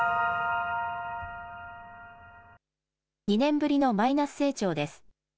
２年ぶりのマイナス成長です。